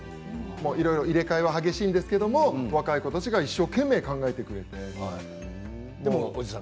それはディレクターがいろいろ入れ替えは激しいんですけれど若い子たちが一生懸命考えてくれて。